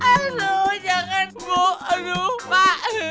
aduh jangan bu aduh pak